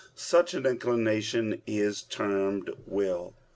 Such inclination is termed "will."